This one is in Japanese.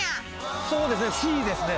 そうですねＣですね。